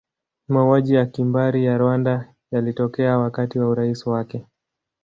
Mauaji ya kimbari ya Rwanda yalitokea wakati wa urais wake.